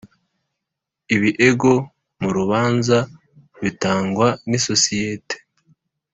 ibiego mu rubanza bitangwa n’isosiyete